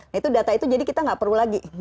nah itu data itu jadi kita nggak perlu lagi